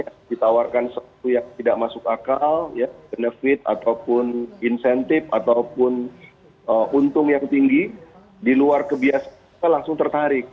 ada greed nya ditawarkan sesuatu yang tidak masuk akal ya benefit ataupun insentif ataupun untung yang tinggi di luar kebiasa langsung tertarik